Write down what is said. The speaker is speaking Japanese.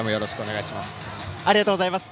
ありがとうございます。